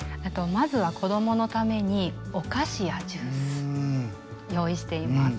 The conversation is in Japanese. まずは子供のためにお菓子やジュース用意しています。